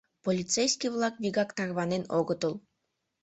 Полицейский-влак вигак тарванен огытыл.